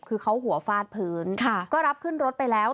คือเขาหัวฟาดพื้นก็รับขึ้นรถไปแล้ว